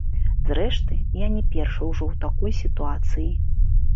Зрэшты, я не першы ўжо ў такой сітуацыі.